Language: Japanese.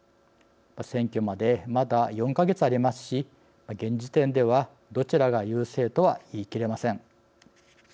選挙までまだ４か月ありますし現時点ではどちらが優勢とは言い切れません。